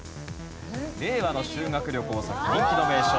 令和の修学旅行先で人気の名所。